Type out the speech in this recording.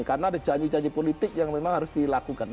karena ada janji janji politik yang memang harus dilakukan